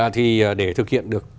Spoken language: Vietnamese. thì để thực hiện được